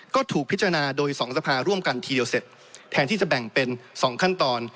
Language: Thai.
ก็ถูกพิจารณาโดย๒สภาร่วมกันทีเดียวเสร็จแทนที่จะแบ่งเป็น๒ขั้นตอน